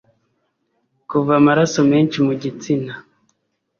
Kuva amaraso menshi mu gitsina